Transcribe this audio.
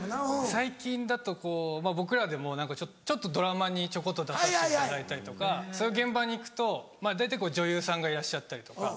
最近だとこう僕らでもちょっとドラマにちょこっと出させていただいたりとかそういう現場に行くと女優さんがいらっしゃったりとか。